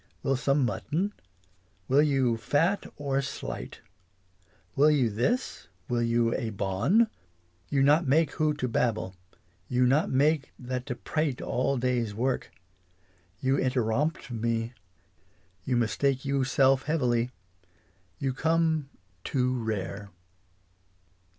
Will some mutton? Will you fat or slight ? Will you this ? Will you a bon ? You not make who to babble. You not make that to prate all day's work. You interompt me. You mistake you self heavily. You come too rare.